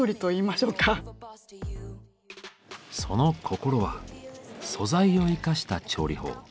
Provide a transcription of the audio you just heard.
その心は素材を生かした調理法。